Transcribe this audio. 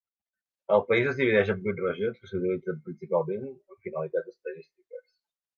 El país es divideix en vuit regions que s'utilitzen principalment amb finalitats estadístiques.